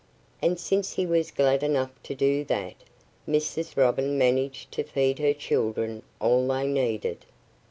And since he was glad enough to do that, Mrs. Robin managed to feed her children all they needed.